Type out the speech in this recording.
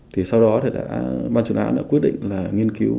thì sau đó ban chuyên án đã quyết định là nghiên cứu